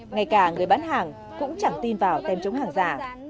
ngay cả người bán hàng cũng chẳng tin vào tem chống hàng giả